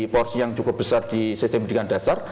porsi yang cukup besar di sistem pendidikan dasar